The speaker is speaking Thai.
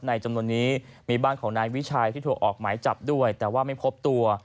จำนวนนี้มีบ้านของนายวิชัยที่ถูกออกหมายจับด้วยแต่ว่าไม่พบตัว